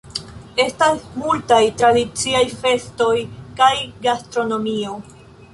Estas multaj tradiciaj festoj kaj gastronomio.